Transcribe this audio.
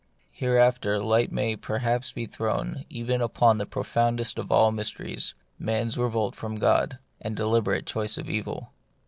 Hereafter light may per haps be thrown even upon that profoundest of all mysteries, man's revolt from God, and deliberate choice of evil.